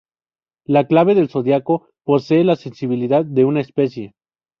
La clave del zodiaco posee la sensibilidad de una especie.